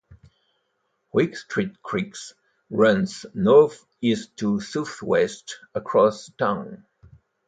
Whig Street Creek runs northeast-to-southwest across the town.